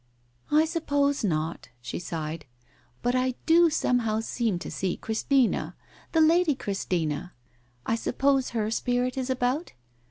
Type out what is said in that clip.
"I suppose not." She sighed. "But I do somehow seem to see Christina — the Lady Christina. I suppose her spirit is about